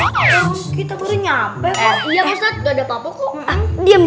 nggak kita baru nyampe kok